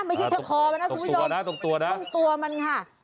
ไม่ใช่ทะคอมันนะคุณผู้โยมตรงตัวมันค่ะ